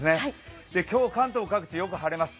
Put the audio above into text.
今日、関東各地、よく晴れます。